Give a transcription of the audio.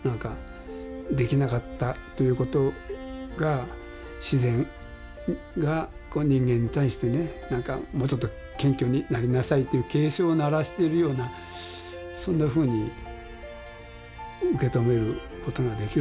出来なかったということが自然が人間に対してね何かもうちょっと謙虚になりなさいという警鐘を鳴らしているようなそんなふうに受け止めることができると思いますね。